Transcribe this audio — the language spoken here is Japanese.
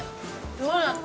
どうだった？